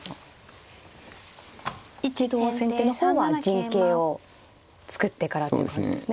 一度先手の方は陣形を作ってからという感じですね。